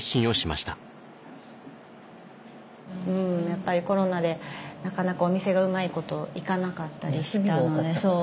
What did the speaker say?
やっぱりコロナでなかなかお店がうまいこといかなかったりしたのでそう。